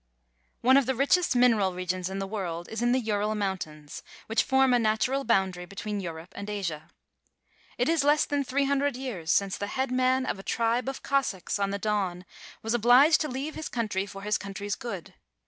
of the richest mineral regions in the world is in the Ural mountains, which form a natural boundary between Europe and Asia. It is less than three hun dred years since the head man of a tribe of Cos sac'ks on the Don was obliged to leave his country for his country's good.